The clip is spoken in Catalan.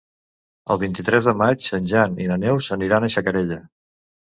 El vint-i-tres de maig en Jan i na Neus aniran a Xacarella.